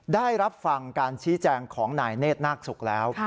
ได้รับฟังการชี้แจงของนายเนธนาคศุกร์แล้ว